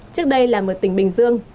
trước đây là một tỉnh bình dương